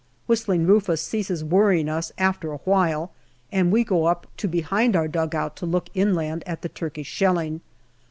" Whistling Rufus " ceases worrying us after a while, and we go up to behind our dugout and look inland at the Turkish shelling.